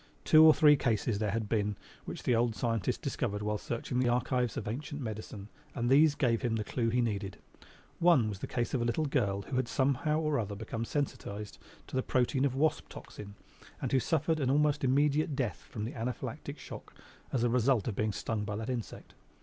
Two or three cases there had been which the old scientist discovered while searching the archives of ancient medicine and these gave him the clew he needed. One was the case of a little girl who had somehow or other become sensitized to the protein of wasp toxin and who suffered almost immediate death from anaphylactic "choc" as the result of being stung by that insect.